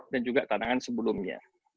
dan juga tantangan sebelumnya